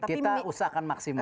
kita usahakan maksimal